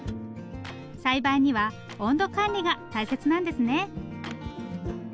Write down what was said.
栽培には温度管理が大切なんですね。